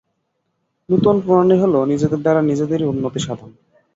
নূতন প্রণালী হল নিজেদের দ্বারা নিজেদের উন্নতি-সাধন।